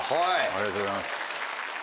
ありがとうございます。